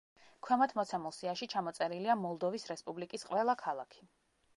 ქვემოთ მოცემულ სიაში ჩამოწერილია მოლდოვის რესპუბლიკის ყველა ქალაქი.